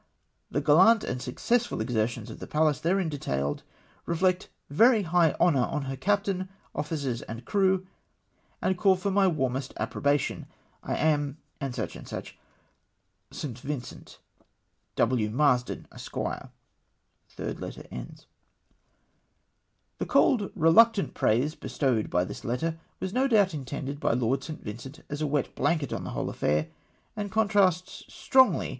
" The gallant and successful exertions of the Pallas therein detailed, reflect very high honour on her captain, officers and crew, and call for my warmest approbation. " I am, &c. &c. St. Vincent, " W. Marsden, Esq." , The cold, reluctant praise bestowed by tliis letter, was no doubt intended by Lord St. Vincent as a wet blanket on the whole affair, and contrasts strongly VOL.